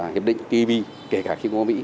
hiệp định tpp kể cả khi có mỹ